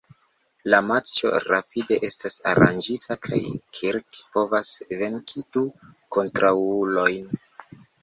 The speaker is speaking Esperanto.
La matĉo rapide estas aranĝita kaj Kirk povas venki du kontraŭulojn.